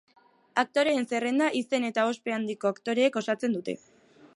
Aktoreen zerrenda izen eta ospe handiko aktoreek osatzen dute.